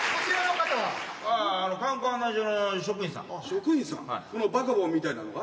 このバカボンみたいなのが？